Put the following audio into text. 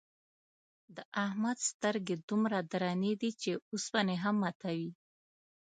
د احمد سترگې دومره درنې دي، چې اوسپنې هم ماتوي.